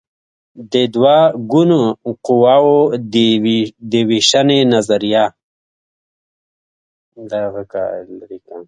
د دوه ګونو قواوو د وېشنې نظریه